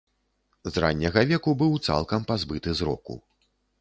З ранняга веку быў цалкам пазбыты зроку.